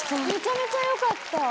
めちゃめちゃ良かった！